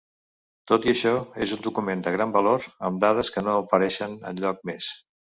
Tot i això, és un document de gran valor amb dades que no apareixen enlloc més.